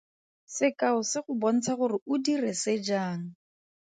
Sekao se go bontsha gore o dire se jang.